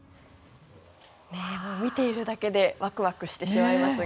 見ているだけでワクワクしてしまいますが。